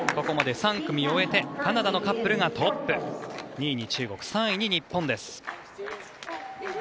ここまで３組終えてカナダのカップルがトップ２位に中国、３位に日本です。